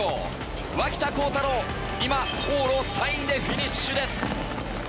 脇田幸太朗、今、往路３位でフィニッシュです。